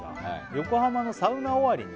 「横浜のサウナ終わりに」